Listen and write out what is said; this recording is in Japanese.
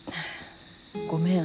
ごめん。